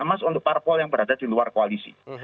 emas untuk parpol yang berada di luar koalisi